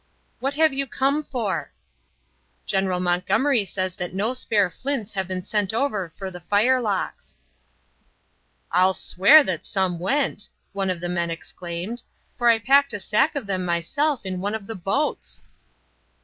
"What have you come for?" "General Montgomery says that no spare flints have been sent over for the firelocks." "I'll swear that some went," one of the men exclaimed, "for I packed a sack of them myself in one of the boats."